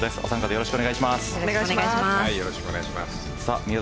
よろしくお願いします。